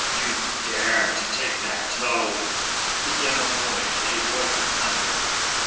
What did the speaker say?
"You dare to take that tone?" began O'Moy in a voice of thunder.